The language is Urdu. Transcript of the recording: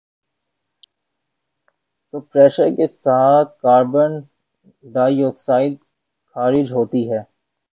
تو پر یشر کے ساتھ کاربن ڈائی آکسائیڈ خارج ہوتی ہے